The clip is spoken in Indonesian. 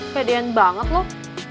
pedean banget loh